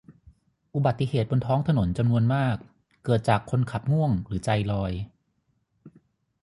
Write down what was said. อุบัติเหตุบนท้องถนนจำนวนมากเกิดจากคนขับง่วงหรือใจลอย